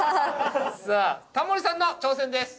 さあタモリさんの挑戦です。